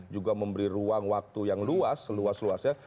juga memberi ruang waktu yang luas luas luas ya